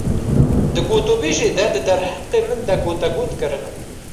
Di gotûbêjê de di derheqê min de gotegot kirine.